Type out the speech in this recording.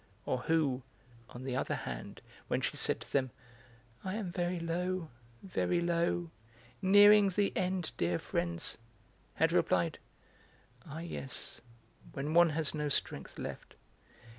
or who, on the other hand, when she said to them: "I am very low, very low; nearing the end, dear friends!" had replied: "Ah, yes, when one has no strength left!